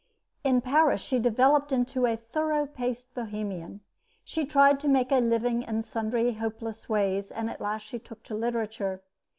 In Paris she developed into a thorough paced Bohemian. She tried to make a living in sundry hopeless ways, and at last she took to literature.